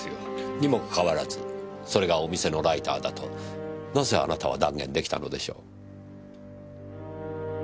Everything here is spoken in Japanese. にもかかわらずそれがお店のライターだとなぜあなたは断言できたのでしょう？